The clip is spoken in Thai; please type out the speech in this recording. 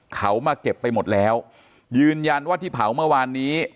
เขามาเก็บไปหมดแล้วยืนยันว่าที่เผาเมื่อวานนี้